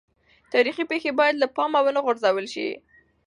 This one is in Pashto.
تاریخي پېښې باید له پامه ونه غورځول سي.